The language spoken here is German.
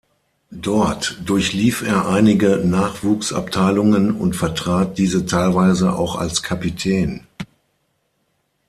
Dort durchlief er einige Nachwuchsabteilung und vertrat diese teilweise auch als Kapitän.